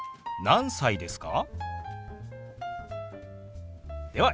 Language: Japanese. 何歳ですか？